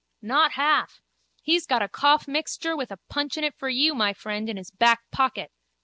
Pflaaaap! Not half. He's got a coughmixture with a punch in it for you, my friend, in his back pocket.